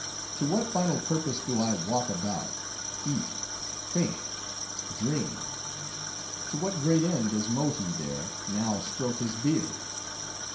To what final purpose, do I walk about, eat, think, dream? To what great end, does Mohi there, now stroke his beard?"